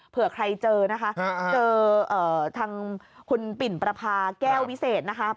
เผื่อใครเจอนะคะเจอทางคุณปิ่นประพาแก้ววิเศษนะคะ